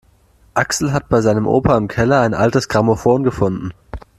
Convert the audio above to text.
Axel hat bei seinem Opa im Keller ein altes Grammophon gefunden.